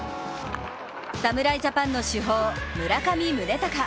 侍ジャパンの主砲・村上宗隆。